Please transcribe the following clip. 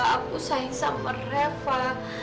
aku sahin sama reva